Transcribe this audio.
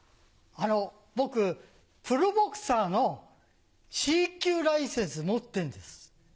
僕プロボクサーのＣ級ライセンス持ってんです。